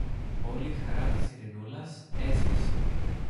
Όλη η χαρά της Ειρηνούλας έσβησε.